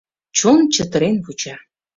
Чон чытырен вуча.